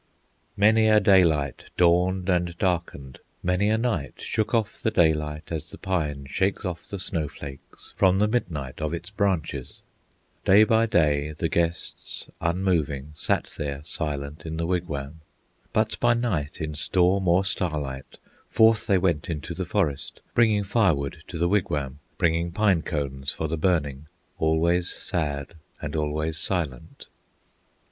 Many a daylight dawned and darkened, Many a night shook off the daylight As the pine shakes off the snow flakes From the midnight of its branches; Day by day the guests unmoving Sat there silent in the wigwam; But by night, in storm or starlight, Forth they went into the forest, Bringing fire wood to the wigwam, Bringing pine cones for the burning, Always sad and always silent.